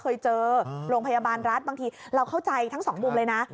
เคยเจอโรงพยาบาลรัฐบางทีเราเข้าใจทั้งสองมุมเลยนะ